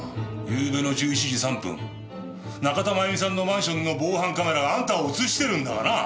ゆうべの１１時３分仲田真弓さんのマンションの防犯カメラがあんたを映してるんだがなぁ？